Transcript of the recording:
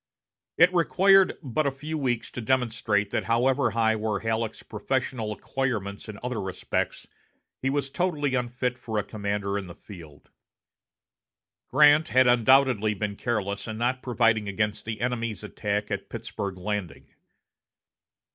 It required but a few weeks to demonstrate that however high were Halleck's professional acquirements in other respects, he was totally unfit for a commander in the field. Grant had undoubtedly been careless in not providing against the enemy's attack at Pittsburg Landing.